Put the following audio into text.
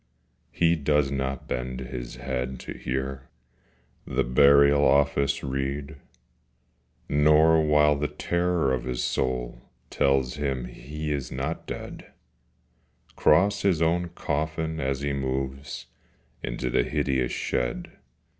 He does not bend his head to hear The Burial Office read, Nor, while the terror of his soul Tells him he is not dead, Cross his own coffin, as he moves Into the hideous shed.